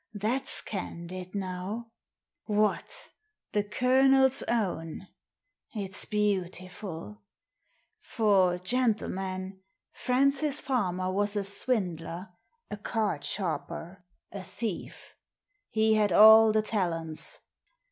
That's candid, now. What, the Colonel's own ! It's beautiful : for, gentlemen, Francis Farmer was a swindler, a card sharper, a thief. He had all the talents.